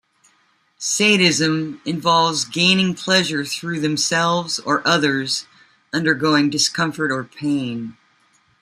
Sadism involves gaining pleasure through themselves or others undergoing discomfort or pain.